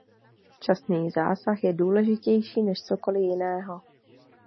Včasný zásah je důležitější než cokoli jiného.